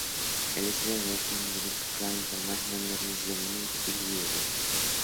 El estilo de redacción es directo, claro, informal, con numerosos diálogos y descripciones.